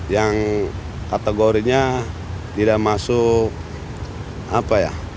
yang kategorinya tidak masuk apa ya